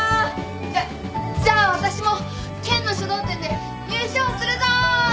じゃじゃあ私も県の書道展で入賞するぞー！